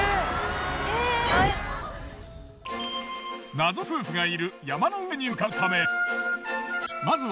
謎の夫婦がいる山の上に向かうため。